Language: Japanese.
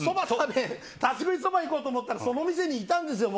立ち食いそば行こうと思ったらその店にいたんですよ。